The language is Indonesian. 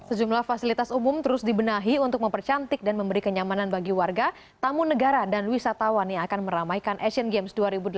sejumlah fasilitas umum terus dibenahi untuk mempercantik dan memberi kenyamanan bagi warga tamu negara dan wisatawan yang akan meramaikan asian games dua ribu delapan belas